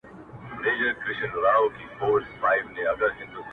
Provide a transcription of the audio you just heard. o ستا غمونه ستا دردونه زما بدن خوري .